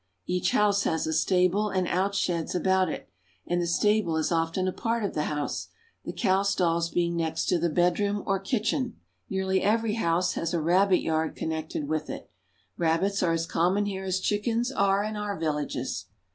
Each house has a stable and outsheds about it, and the stable is often a part of the house, the cow stalls being next to the bed room or kitchen. Nearly every house has a rabbit yard connected with it ; rabbits are as common here as chickens are in our villages.